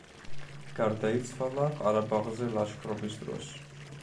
გარდაიცვალა ყარაბაღზე ლაშქრობის დროს.